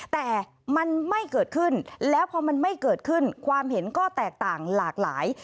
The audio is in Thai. แต่มันไม่เกิดขึ้นแล้วพอมันไม่เกิดขึ้นความเห็นก็แตกต่างหลากหลาย